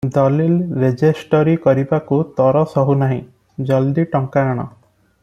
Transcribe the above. ଦଲିଲ ରେଜେଷ୍ଟରୀ କରିବାକୁ ତର ସହୁ ନାହିଁ, ଜଲଦି ଟଙ୍କା ଆଣ ।